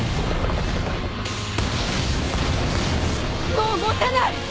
もう持たない！